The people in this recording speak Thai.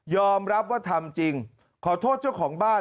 รับว่าทำจริงขอโทษเจ้าของบ้าน